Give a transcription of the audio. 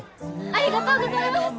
ありがとうございます！